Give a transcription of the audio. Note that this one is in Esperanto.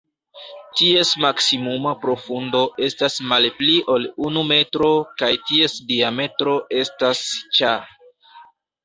Ties maksimuma profundo estas malpli ol unu metro kaj ties diametro estas ĉa.